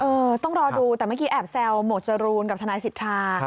เออต้องรอดูแต่เมื่อกี้แอบแซวหมวดจรูนกับทนายสิทธา